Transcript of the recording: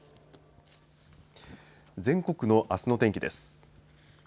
全国のあすの天気です。